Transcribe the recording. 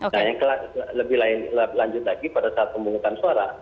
nah yang lebih lanjut lagi pada saat pemungutan suara